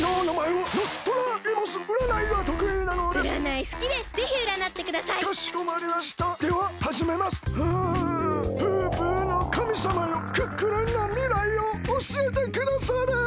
はあぷーぷーのかみさまよクックルンのみらいをおしえてくだされ！